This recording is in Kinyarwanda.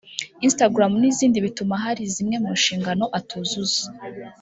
Instagram n’zindi bituma hari zimwe mu nshingano atuzuza